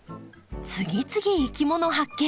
次々いきもの発見！